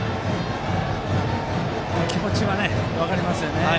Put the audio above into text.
気持ちは分かりますよね。